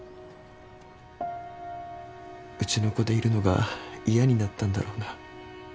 うちの子でいるのが嫌になったんだろうな。